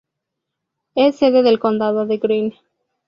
Es sede del condado de Greene.